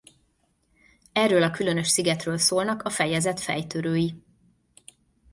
Erről a különös szigetről szólnak a fejezet fejtörői.